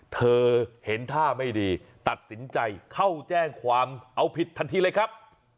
เธอเห็นท่าไม่ดีตัดสินใจเข้าแจ้งความเอาผิดทันทีเลยครับ